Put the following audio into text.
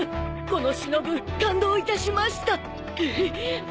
このしのぶ感動いたしました。